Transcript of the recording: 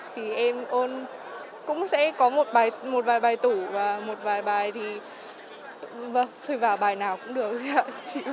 thì em ôn cũng sẽ có một vài bài tủ và một vài bài thì vào bài nào cũng được